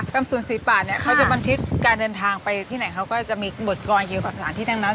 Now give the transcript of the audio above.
ส่วนสีป่าเนี่ยเขาจะบันทึกการเดินทางไปที่ไหนเขาก็จะมีบทกรณ์เกี่ยวกับสถานที่ทั้งนั้น